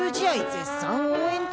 絶賛応援中？